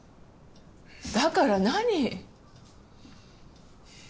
だから何？